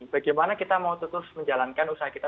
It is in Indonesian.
bagaimana kita mau terus menjalankan usaha kita